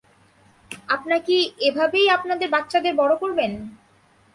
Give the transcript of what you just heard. আপনা কি এভাবেই আপনাদের বাচ্চাদের বড় করবেন?